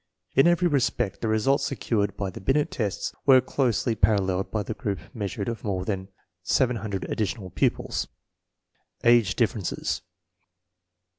In every respect the results secured by the Binet tests were closely paralleled by the group meas urements of more than 700 additional pupils. Age differences.